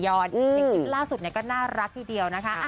อย่างคลิปล่าสุดก็น่ารักทีเดียวนะคะ